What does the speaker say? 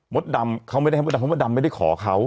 ดำเขาไม่ได้ให้มดดำเพราะมดดำไม่ได้ขอเขา